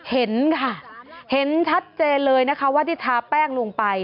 เห็นค่ะเห็นชัดเจนเลยนะคะว่าที่ทาแป้งลงไป